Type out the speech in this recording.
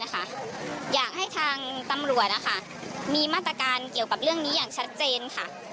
อยากให้ทางตำรวจมีมาตรการเกี่ยวกับเรื่องนี้อย่างชัดเจนค่ะ